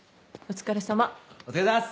お疲れさまです！